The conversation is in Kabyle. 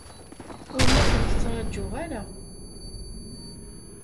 Ur la kent-ttṛajuɣ ara.